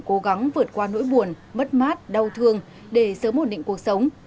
cố gắng vượt qua nỗi buồn mất mát đau thương để sớm ổn định cuộc sống